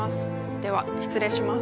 では失礼します。